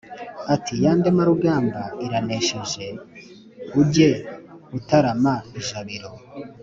bati: ya Ndemarugamba iranesheje ujye utarama ijabiro